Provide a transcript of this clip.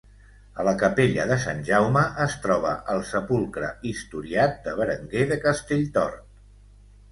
A la capella de Sant Jaume es troba el sepulcre historiat de Berenguer de Castelltort.